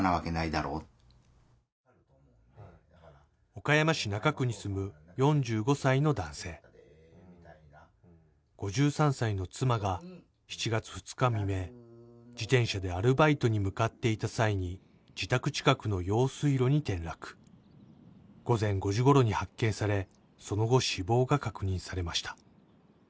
岡山市中区に住む４５歳の男性５３歳の妻が７月２日未明自転車でアルバイトに向かっていた際に自宅近くの用水路に転落午前５時ごろに発見されその後死亡が確認されました